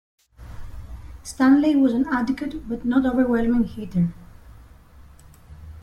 Stanley was an adequate but not overwhelming hitter.